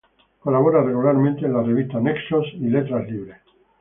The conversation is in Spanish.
Colabora regularmente en las revistas "Nexos" y "Letras libres".